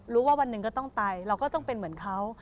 วันหนึ่งก็ต้องไปเราก็ต้องเป็นเหมือนเขา